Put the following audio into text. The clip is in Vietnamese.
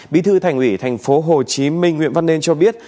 bí thư thành ủy thành phố hồ chí minh nguyễn văn nên cho biết